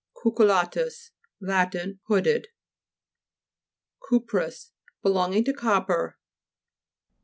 48). CUCTTLLA'TUS Lat. Hooded. CUPROUS Belonging to copper.